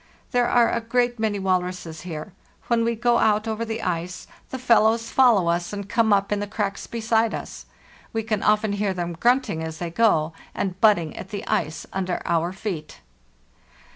There area great many walruses here. When we go out over the ice the fellows follow us and come up in IIl.—32 495 FARTHEST NORTH the cracks beside us. We can often hear them grunting as they go, and butting at the ice under our feet."